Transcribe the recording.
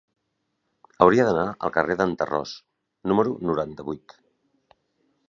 Hauria d'anar al carrer d'en Tarròs número noranta-vuit.